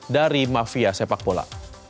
dari mafia sepak bola